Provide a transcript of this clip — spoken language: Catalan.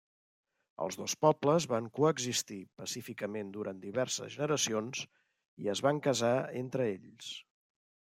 Els dos pobles van coexistir pacíficament durant diverses generacions i es van casar entre ells.